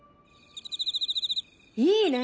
いいね！